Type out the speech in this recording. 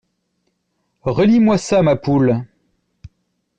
Relis-moi ça, ma poule.